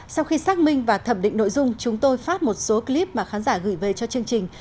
sau khi xác minh và thẩm định nội dung chúng tôi phát một số clip mà khán giả gửi về cho chương trình